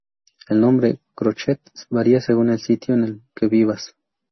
El nombre "Crochet" varía según el sitio en el que vivas.